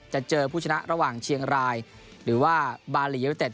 จะเจอผู้ชนะระหว่างเชียงรายหรือว่าบารียูนิเต็ด